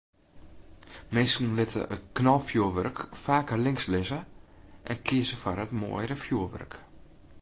Minsken litte it knalfjoerwurk faker links lizze en kieze foar it moaiere fjoerwurk.